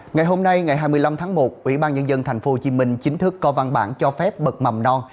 ngày hôm nay ngày hai mươi năm tháng một ủy ban nhân dân tp hcm chính thức có văn bản cho phép bậc mầm non